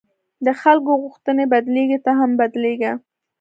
د خلکو غوښتنې بدلېږي، ته هم بدلېږه.